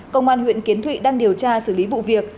công an huyện kiến thụy đang điều tra xử lý vụ việc